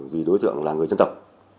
vì đối tượng là người dân tộc